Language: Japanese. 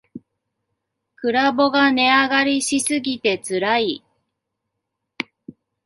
グラボが値上がりしすぎてつらい